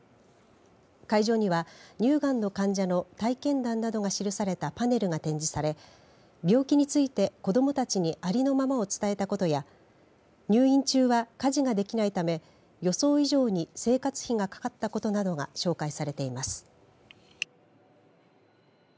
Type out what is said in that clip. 会場には、乳がんの患者の体験談などが記されたパネルが展示され病気について子どもたちにありのままを伝えたことや入院中は、家事ができないため予想以上に生活費がかかったことなどが紹介されています。